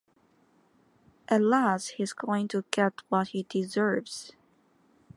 At last he's going to get what he deserves!